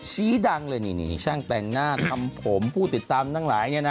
ชี้ดังเลยนี่ช่างแต่งหน้าทำผมผู้ติดตามทั้งหลาย